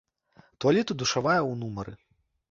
Туалет і душавая ў нумары.